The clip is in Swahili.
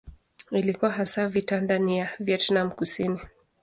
Ilikuwa hasa vita ndani ya Vietnam Kusini.